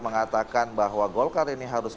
mengatakan bahwa golkar ini harus